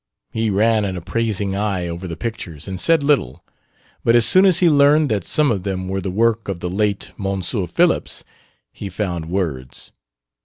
He ran an appraising eye over the pictures and said little. But as soon as he learned that some of them were the work of the late M. Phillips he found words.